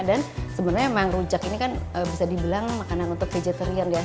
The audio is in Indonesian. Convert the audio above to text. dan sebenarnya memang rujak ini kan bisa dibilang makanan untuk vegetarian ya